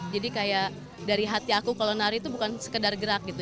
jadi kayak dari hati aku kalau nari itu bukan sekedar gerak gitu